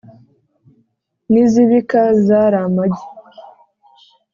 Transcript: N’izibika zari amagi.